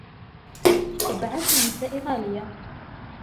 قبعات النساء غالية.